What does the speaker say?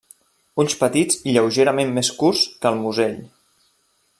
Ulls petits i lleugerament més curts que el musell.